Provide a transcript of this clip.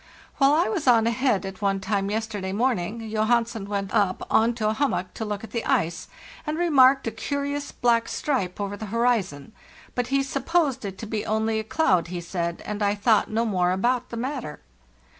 While I was on ahead at one time yesterday morning, Johansen went up on to a hummock to look at the ice, and remarked a curious black stripe over the horizon; but he supposed it to be only a cloud, he said, and I thought no more about the matter.